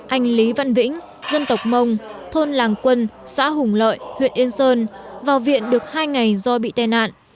anh lý văn vĩnh dân tộc mông thôn làng quân xã hùng lợi huyện yên sơn vào viện được hai ngày do bị tai nạn